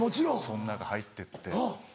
その中入ってって。